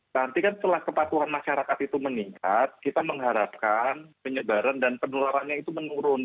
nanti kan setelah kepatuhan masyarakat itu meningkat kita mengharapkan penyebaran dan penularannya itu menurun